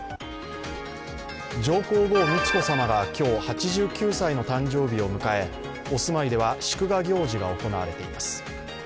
上皇后美智子さまが今日、８９歳の誕生日を迎えお住まいでは祝賀行事が行われています。